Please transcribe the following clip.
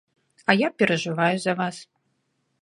А я перажываю за вас.